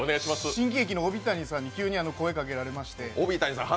新喜劇のオビタニさんに急に声をかけられまして。